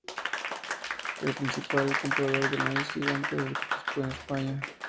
El principal comprador de maíz gigante del Cusco es España.